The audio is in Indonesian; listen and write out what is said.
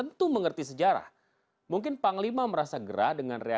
untuk menunggu pengambilan tangan kan di temisi colin supported atau juga